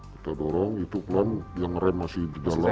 kita dorong itu pulang yang rem masih di dalam